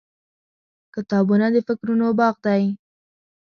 • کتابونه د فکرونو باغ دی.